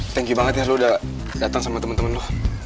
thank you banget ya lo udah datang sama temen temen lo